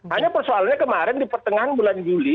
hanya persoalannya kemarin di pertengahan bulan juli